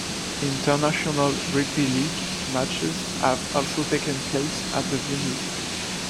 International rugby league matches have also taken place at the venue.